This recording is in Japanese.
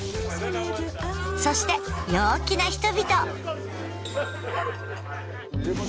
そして陽気な人々。